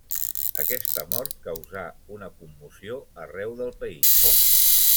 Aquesta mort causà una commoció arreu del país.